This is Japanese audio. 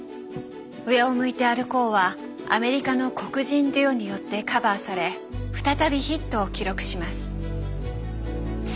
「上を向いて歩こう」はアメリカの黒人デュオによってカバーされ再びヒットを記録します。